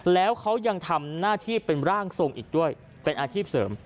แล้วเขายังทำหน้าที่เป็นร่างทรงอีกด้วยเป็นอาชีพเสริม